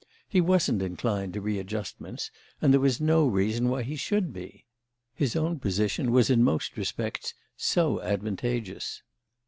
He wasn't inclined to readjustments, and there was no reason why he should be: his own position was in most respects so advantageous.